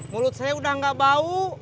mulut saya udah gak bau